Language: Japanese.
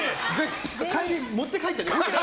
帰り、持って帰ってね？